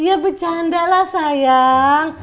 ya bercanda lah sayang